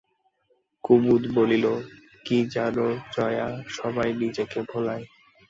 কুমুদ বলিল, কী জানো জয়া, সবাই নিজেকে ভোলায়।